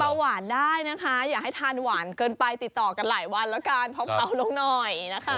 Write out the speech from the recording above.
หวานได้นะคะอย่าให้ทานหวานเกินไปติดต่อกันหลายวันแล้วกันเผาลงหน่อยนะคะ